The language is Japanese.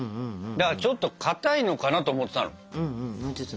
だからちょっとかたいのかなと思ってたの。